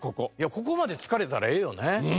ここまで漬かれたらええよね。